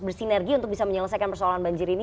bersinergi untuk bisa menyelesaikan persoalan banjir ini